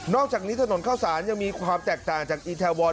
อกจากนี้ถนนข้าวสารยังมีความแตกต่างจากอีแทวอน